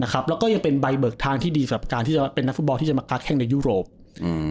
แล้วก็ยังเป็นใบเบิกทางที่ดีสำหรับการที่จะเป็นนักฟุตบอลที่จะมากาดแข้งในยุโรปอืม